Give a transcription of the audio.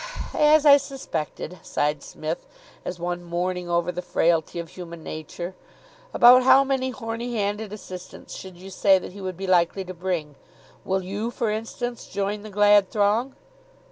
"As I suspected," sighed Psmith, as one mourning over the frailty of human nature. "About how many horny handed assistants should you say that he would be likely to bring? Will you, for instance, join the glad throng?"